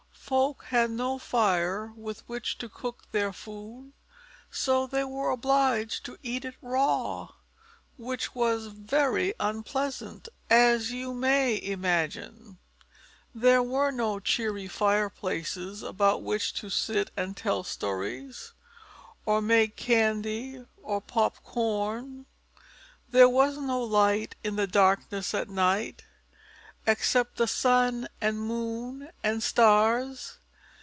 Folk had no fire with which to cook their food, and so they were obliged to eat it raw; which was very unpleasant, as you may imagine! There were no cheery fireplaces about which to sit and tell stories, or make candy or pop corn. There was no light in the darkness at night except the sun and moon and stars.